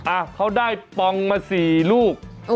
อ่ะเขาได้ปองมา๔ลูก